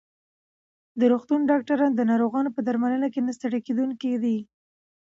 د روغتون ډاکټران د ناروغانو په درملنه کې نه ستړي کېدونکي دي.